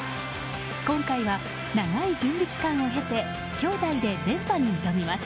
今回は長い準備期間を経て兄妹で連覇に挑みます。